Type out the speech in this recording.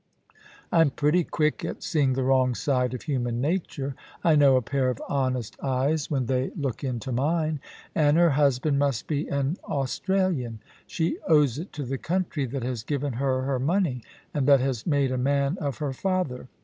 I'm pretty quick at seeing the wrong side of human nature. I know a pair of honest eyes when they HERCULES AND OMPHALE. 103 look into mine. And her husband must be an Australian. She owes it to the country that has given her her money, and that has made a man of her father.